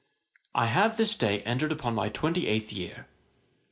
I have this day entered upon my twenty eighth year.